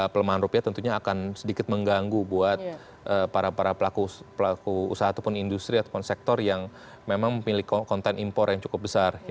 pelemahan rupiah tentunya akan sedikit mengganggu buat para para pelaku usaha ataupun industri ataupun sektor yang memang memiliki konten impor yang cukup besar